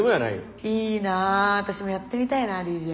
いいな私もやってみたいなＤＪ。